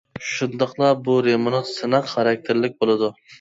شۇنداقلا بۇ رېمونت سىناق خاراكتېرلىك بولىدۇ.